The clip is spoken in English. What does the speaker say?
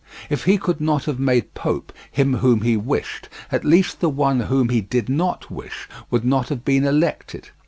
If he could not have made Pope him whom he wished, at least the one whom he did not wish would not have been elected.